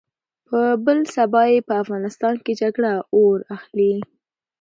په بل سبا يې په افغانستان کې جګړه اور اخلي.